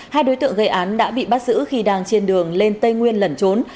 hai đối tượng gây án đã bị bắt giữ khi đang trên đường lên tây nguyên lẩn trốn